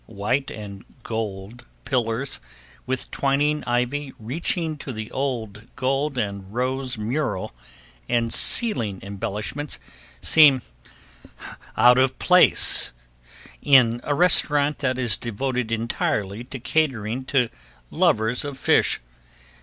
White and gold pillars, with twining ivy reaching to the old gold and rose mural and ceiling embellishments seem out of place in a restaurant that is devoted entirely to catering to lovers of fish.